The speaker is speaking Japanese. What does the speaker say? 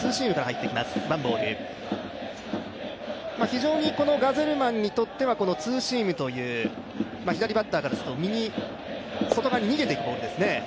非常にガゼルマンにとってはツーシームという左バッターからすると、右、外側に逃げていくボールですね。